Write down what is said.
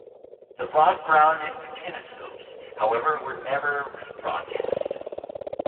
The Rod Brown kinescopes however were never rebroadcast.